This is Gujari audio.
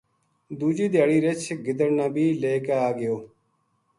دوجی دھیاڑی رچھ گدڑ نا بھی لے کے آ گیو